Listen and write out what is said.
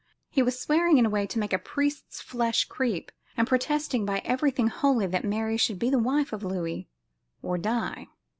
He was swearing in a way to make a priest's flesh creep, and protesting by everything holy that Mary should be the wife of Louis or die.